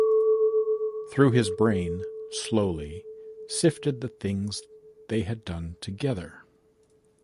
Through his brain, slowly, sifted the things they had done together.